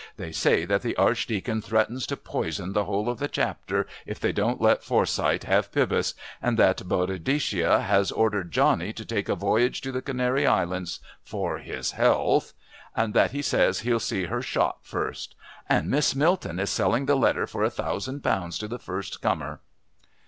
They say that the Archdeacon threatens to poison the whole of the Chapter if they don't let Forsyth have Pybus, and that Boadicea has ordered Johnny to take a voyage to the Canary Islands for his health, and that he says he'll see her shot first! And Miss Milton is selling the letter for a thousand pounds to the first comer!"